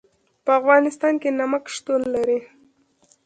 په افغانستان کې نمک شتون لري.